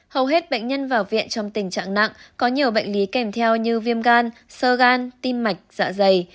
hầu hết bệnh nhân vào viện trong tình trạng nặng có nhiều bệnh lý kèm theo như viêm gan sơ gan tim mạch dạ dày